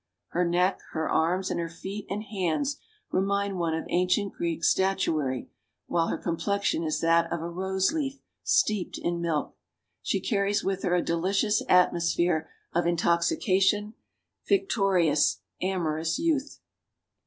... Her neck, her arms, and her feet and hands remind one of ancient Greek statuary; while her com plexion is that of a rose leaf steeped in milk. ... She carries with her a delicious atmosphere of intoxication, victori ous, amorous youth.